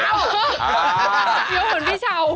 ยกเหมือนพี่เช้า